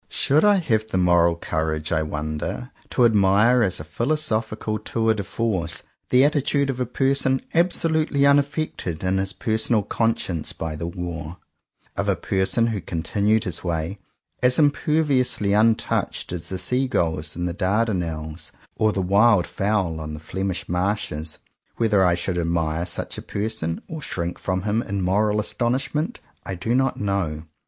Should I have the moral courage, I wonder, to admire as a philosophical tour de force, the attitude of a person abso lutely unaffected in his personal conscience by the war; of a person who continued his way, as imperviously untouched as the seagulls in the Dardanelles, or the wild fowl on the Flemish marshes? Whether I should admire such a person, or shrink from him in moral astonishment, I do not know.